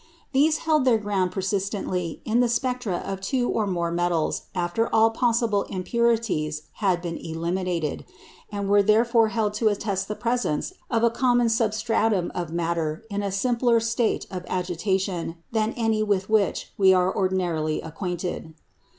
These held their ground persistently in the spectra of two or more metals after all possible "impurities" had been eliminated, and were therefore held to attest the presence of a common substratum of matter in a simpler state of aggregation than any with which we are ordinarily acquainted.